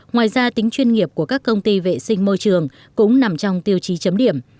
ngoài ra tính chuyên nghiệp của các công ty vệ sinh môi trường cũng nằm trong tiêu chí chấm điểm